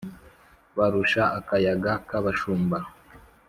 barusha akayaga k’abashumba